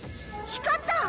光った！